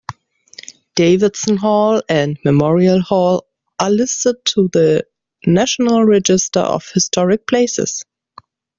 Davidson Hall and Memorial Hall are listed on the National Register of Historic Places.